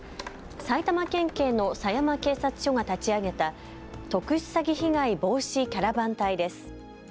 埼玉県警の狭山警察署が立ち上げた特殊詐欺被害防止キャラバン隊です。